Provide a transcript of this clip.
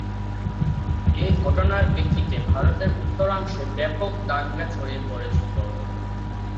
এ ঘটনার প্রেক্ষিতে ভারতের উত্তরাংশে ব্যাপক দাঙ্গা ছড়িয়ে পড়েছিল।